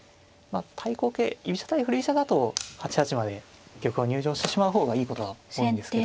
あ対抗型居飛車対振り飛車だと８八まで玉を入城してしまう方がいいことが多いんですけど。